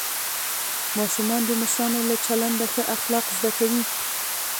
ماشومان د مشرانو له چلنده ښه اخلاق زده کوي